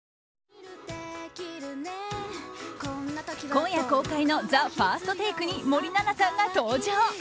今夜公開の「ＴＨＥＦＩＲＳＴＴＡＫＥ」に森七菜さんが登場。